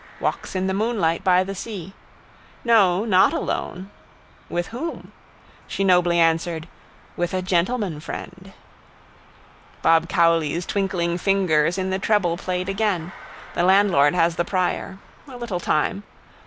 Walks in the moonlight by the sea. No, not alone. With whom? She nobly answered: with a gentleman friend. Bob Cowley's twinkling fingers in the treble played again. The landlord has the prior. A little time.